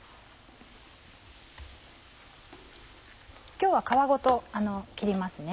今日は皮ごと切ります。